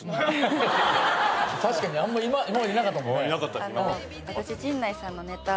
確かに今までいなかったもんね。